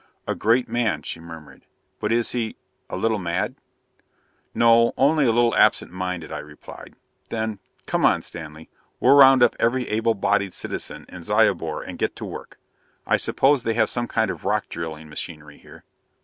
"A great man," she murmured, "but is he a little mad?" "No, only a little absent minded," I replied. Then, "Come on, Stanley. We'll round up every able bodied citizen in Zyobor and get to work. I suppose they have some kind of rock drilling machinery here?"